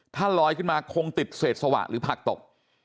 ถ้าลอยขึ้นมาคงติดเศษสวะหรือผักตก